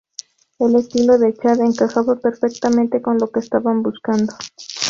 El estilo de Chad encajaba perfectamente con lo que estaban buscando.